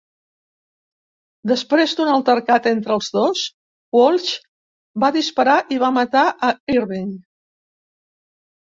Després d'un altercat entre els dos, Walsh va disparar i va matar a Irving.